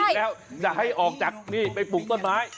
เอาอีกแล้วให้ออกจากนี่ไปปลูกต้นไม้